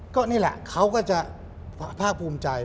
ก็นี่แหละเขาก็จะภาคภูมิใจ